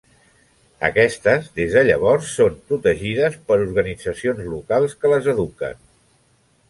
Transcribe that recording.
Aquestes, des de llavors, són protegides per organitzacions locals que les eduquen.